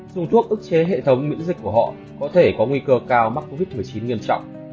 dùng thuốc chế hệ thống miễn dịch của họ có thể có nguy cơ cao mắc covid một mươi chín nghiêm trọng